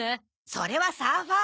それはサーファー！